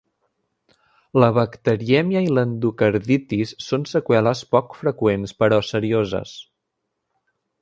La bacterièmia i l'endocarditis són seqüeles poc freqüents però serioses.